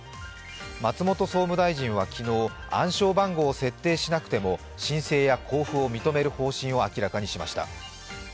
松本総務大臣は昨日暗証番号を設定しなくても申請や交付を認める方針を明らかにしました。